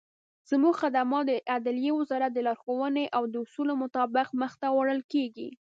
زموږخدمات دعدلیي وزارت دلارښووني او داصولو مطابق مخته وړل کیږي.